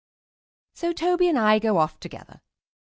So Toby and I go off together.